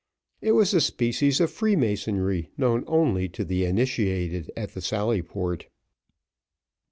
It was a species of free masonry known only to the initiated at the Sallyport.